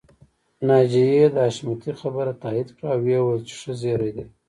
ناجيې د حشمتي خبره تاييد کړه او وويل چې ښه زيری دی